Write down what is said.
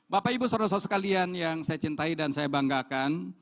bapak ibu sorosos kalian yang saya cintai dan saya banggakan